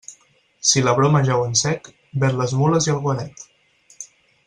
Si la broma jau en sec, ven les mules i el guaret.